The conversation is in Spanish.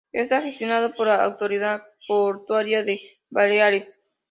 Está gestionado por la autoridad portuaria de Baleares.